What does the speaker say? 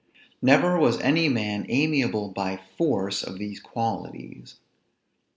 Never was any man amiable by force of these qualities.